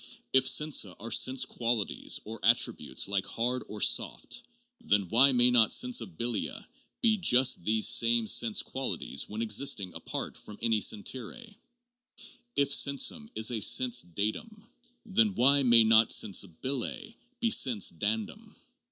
If sensa are sense quali ties or attributes like hard or hot, then why may not sensibilia be just these same sense qualities when existing apart from any sentire t If sensum is sense datum, then why may not sensibile be sense dan dum?